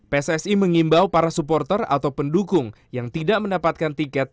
pssi mengimbau para supporter atau pendukung yang tidak mendapatkan tiket